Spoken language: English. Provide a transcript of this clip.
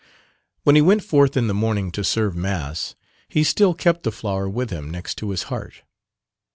When he went forth in the morning to serve Mass, he still kept the flower with him next his heart.